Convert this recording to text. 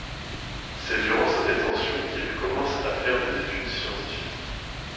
C'est durant sa détention qu'il commence à faire des études scientifiques.